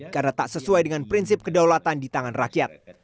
karena tak sesuai dengan prinsip kedaulatan di tangan rakyat